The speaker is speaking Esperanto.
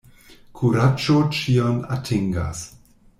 Kuraĝo ĉion atingas.